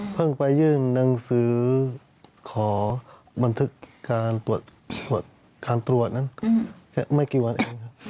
เพิ่งไปยื่นหนังสือขอบันทึกการตรวจนั้นแค่ไม่กี่วันเอง